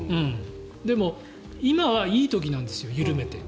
でも、今はいい時なんですよ緩めて。